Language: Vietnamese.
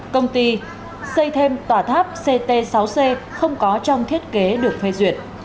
công ty xây thêm tòa tháp ct sáu c không có trong thiết kế được phê duyệt